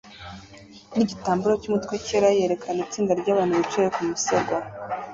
nigitambaro cyumutwe cyera yerekana itsinda ryabantu bicaye ku musego